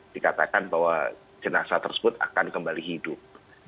dikatakan bahwa jenazah tersebut akan kembali hidup